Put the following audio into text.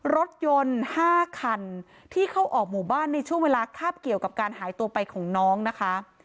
รถยนต์๕คันที่เข้าออกหมู่บ้านในช่วงเวลาคาบเกี่ยวกับการหายตัวไปของน้องนะคะ